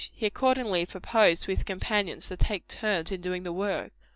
He accordingly proposed to his companions to take turns in doing the work.